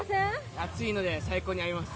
暑いので、最高に合います。